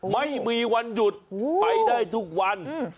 ไม่มีวันหยุดไปได้ทุกวัน